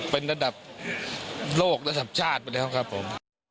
เป็นระดับโลกระดับชาติไปแล้วครับผม